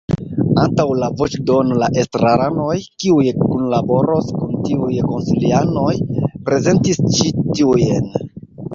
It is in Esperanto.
Antaŭ la voĉdono la estraranoj, kiuj kunlaboros kun tiuj konsilianoj, prezentis ĉi tiujn.